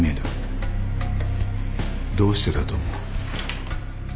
どうしてだと思う？